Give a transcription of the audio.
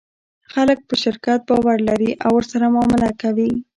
خلک په شرکت باور لري او ورسره معامله کوي.